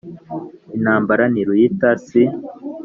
Intambara ntiruyita si